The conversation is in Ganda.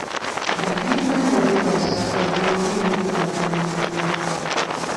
Bannayuganda beebaza obwangu n'enkulaakulana eriwo.